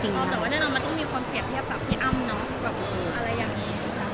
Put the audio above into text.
อ้อมแต่ว่าแน่นอนมันต้องมีความเปลี่ยนที่อ้อมเนอะ